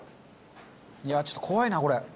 いやちょっと怖いなこれ。